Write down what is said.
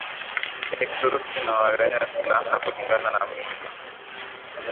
ya Kituruki inawanyanganya silaha Kulingana na mila